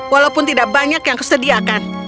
walaupun tidak banyak yang kesediakan